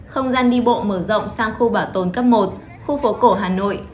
không gian đi bộ mở rộng sang khu bảo tồn cấp một khu phố cổ hà nội